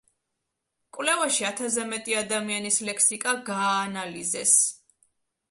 კვლევაში ათასზე მეტი ადამიანის ლექსიკა გააანალიზეს.